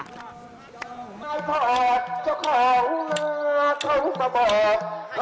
ให้การลงแขกเกี่ยวข้าวเต้นกำรำเคียว